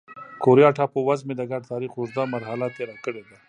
کوریا ټاپو وزمې د ګډ تاریخ اوږده مرحله تېره کړې ده.